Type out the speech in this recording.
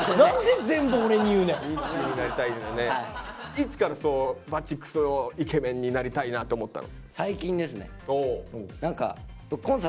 いつからそうバチくそイケメンになりたいなって思ったの？